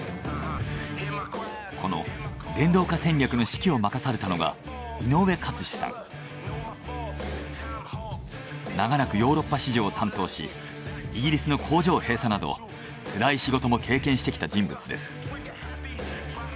この電動化戦略の指揮を任されたのが長らくヨーロッパ市場を担当しイギリスの工場閉鎖などつらい仕事も経験してきた人物です。